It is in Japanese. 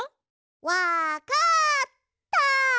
わかった！